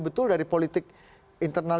betul dari politik internal